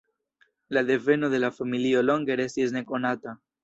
La deveno de la familio longe restis nekonata.